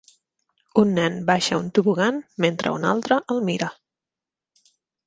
Un nen baixa un tobogan mentre un altre el mira.